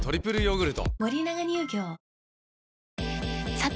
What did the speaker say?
さて！